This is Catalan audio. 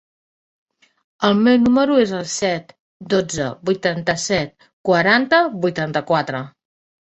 El meu número es el set, dotze, vuitanta-set, quaranta, vuitanta-quatre.